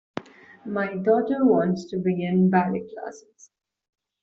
My daughter wants to begin ballet classes.